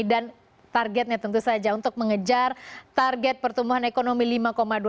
dan targetnya tentu saja untuk mengejar target pertumbuhan ekonomi lebih cepat